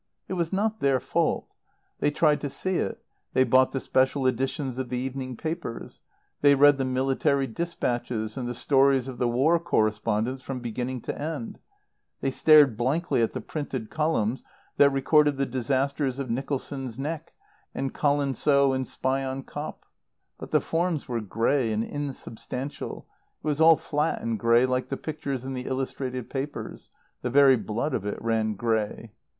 It was not their fault. They tried to see it. They bought the special editions of the evening papers; they read the military dispatches and the stories of the war correspondents from beginning to end; they stared blankly at the printed columns that recorded the disasters of Nicholson's Nek, and Colenso and Spion Kop. But the forms were grey and insubstantial; it was all fiat and grey like the pictures in the illustrated papers; the very blood of it ran grey.